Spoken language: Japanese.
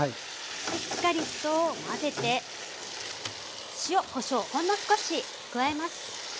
しっかりと混ぜて塩・こしょうほんの少し加えます。